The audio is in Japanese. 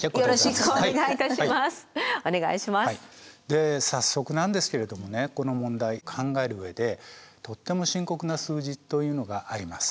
で早速なんですけれどもねこの問題考える上でとっても深刻な数字というのがあります。